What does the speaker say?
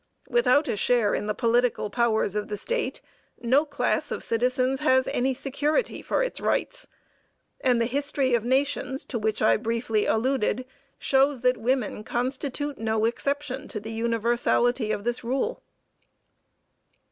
Without a share in the political powers of the state, no class of citizens has any security for its rights, and the history of nations to which I briefly alluded, shows that women constitute no exception to the universality of this rule.